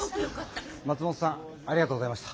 松本さんありがとうございました！